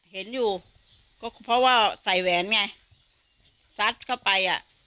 เห็นอยู่ก็เพราะว่าใส่แหวนไงซัดเข้าไปอ่ะ